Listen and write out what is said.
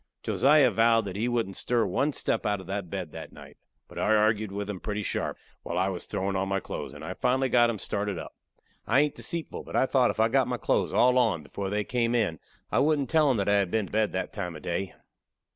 Josiah vowed that he wouldn't stir one step out of that bed that night. But I argued with him pretty sharp, while I was throwin' on my clothes, and I finally got him started up. I hain't deceitful, but I thought if I got my clothes all on before they came in I wouldn't tell 'em that I had been to bed that time of day.